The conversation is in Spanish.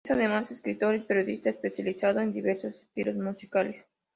Es además escritor y periodista especializado en diversos estilos musicales.